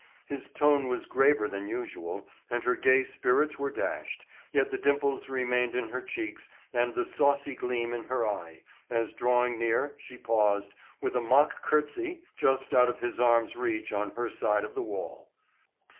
His tone was graver than usual, and her gay spirits were dashed, yet the dimples remained in her cheeks and the saucy gleam in her eye, as drawing near, she paused, with a mock curtsey, just out of his arm's reach on her side of the wall.